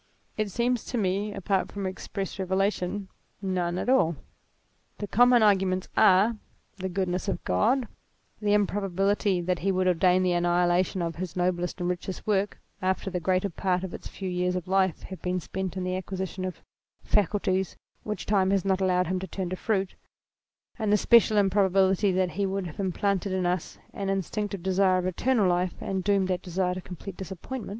It seems to me, apart from express revelation, none at all. The common arguments are, the goodness of God ; the improbability that he would ordain the annihila tion of his noblest and richest work, after the greater part of its few years of life had been spent in the acquisition of faculties which time is not allowed him to turn to fruit ; and the special improbability that he would have implanted in us an instinctive desire of eternal life, and doomed that desire to complete disappointment.